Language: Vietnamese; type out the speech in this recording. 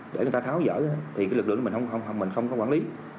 để người ta tháo giỡn thì lực lượng đó mình không có quản lý